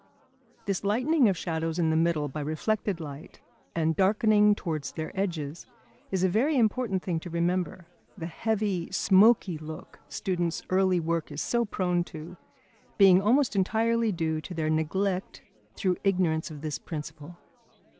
This lightening of shadows in the middle by reflected light and darkening towards their edges is a very important thing to remember, the heavy, smoky look students' early work is so prone to, being almost entirely due to their neglect through ignorance of this principle.